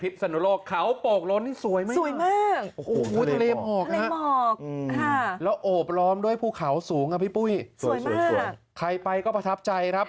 ดูสิครับไปพิษศนุโลกนะครับ